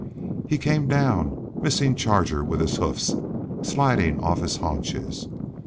He came down, missing Charger with his hoofs, sliding off his haunches.